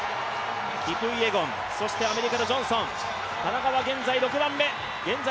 キプイエゴン、そしてアメリカのジョンソン、田中は現在６番目。